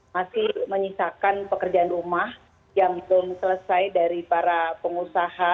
masih menyisakan pekerjaan rumah yang belum selesai dari para pengusaha